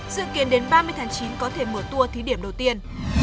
dự kiến đến ba mươi tháng chín có thể mở tour thí điểm đầu tiên